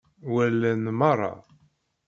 Walan meṛṛa.